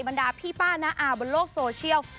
บรรดาพี่ป้าน้าอาบนโลกโซเชียล